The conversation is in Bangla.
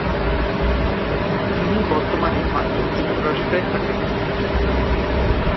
তিনি বর্তমানে মার্কিন যুক্তরাষ্ট্রে থাকেন।